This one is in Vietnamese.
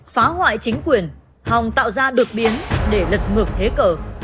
phá hoại chính quyền hòng tạo ra được biến để lật ngược thế cờ